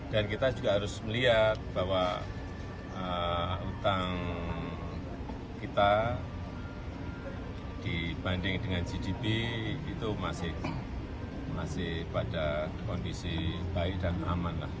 dan kita juga harus melihat bahwa utang kita dibanding dengan gdp itu masih pada kondisi baik dan aman lah